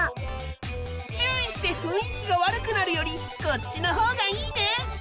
注意して雰囲気が悪くなるよりこっちのほうがいいね！